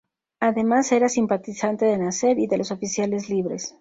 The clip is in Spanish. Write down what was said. Además, era simpatizante de Nasser y de los Oficiales Libres.